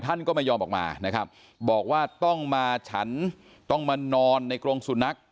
ท่านก็ไม่ยอมออกมานะครับบอกว่าต้องมาฉันต้องมานอนในกรงสุนัข